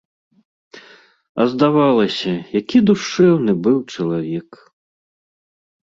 А здавалася, які душэўны быў чалавек!